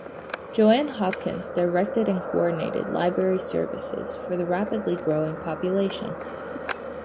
Joan Hopkins directed and coordinated library services for the rapidly growing population.